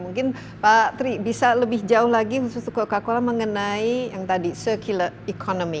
mungkin pak tri bisa lebih jauh lagi khusus coca cola mengenai yang tadi circular economy